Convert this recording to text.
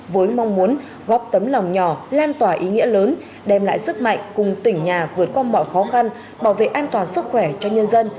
với mong muốn góp tấm lòng nhỏ lan tỏa ý nghĩa lớn đem lại sức mạnh cùng tỉnh nhà vượt qua mọi khó khăn bảo vệ an toàn sức khỏe cho nhân dân